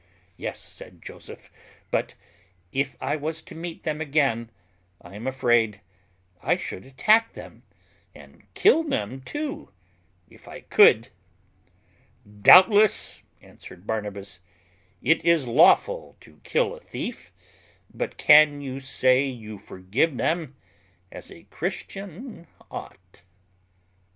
"Yes," said Joseph, "but if I was to meet them again, I am afraid I should attack them, and kill them too, if I could." "Doubtless," answered Barnabas, "it is lawful to kill a thief; but can you say you forgive them as a Christian ought?"